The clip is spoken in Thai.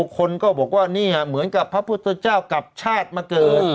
คนก็บอกว่านี่เหมือนกับพระพุทธเจ้ากับชาติมาเกิด